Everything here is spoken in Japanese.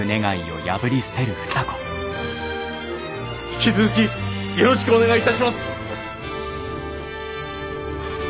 引き続きよろしくお願いいたします！